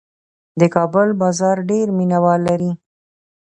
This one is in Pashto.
د کابل بازان ډېر مینه وال لري.